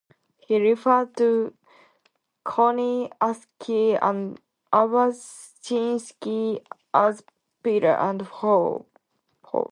He refers to Koryaksky and Avachinsky as Peter and Paul.